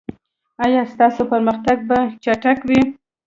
ایا ستاسو پرمختګ به چټک وي؟